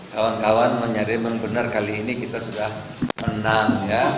kawan kawan mencari benar kali ini kita sudah menang ya